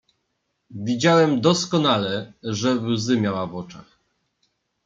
"Widziałem doskonale, że łzy miała w oczach."